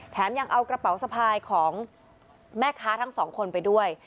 ยังเอากระเป๋าสะพายของแม่ค้าทั้งสองคนไปด้วย